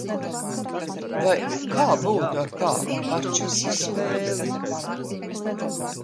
Vai kā būtu ar kādu parčesi spēli?